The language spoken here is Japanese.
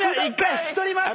引き取ります。